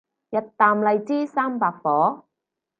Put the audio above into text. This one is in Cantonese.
日啖荔枝三百顆